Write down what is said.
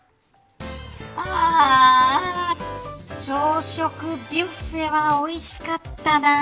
朝食ビュッフェはおいしかったな。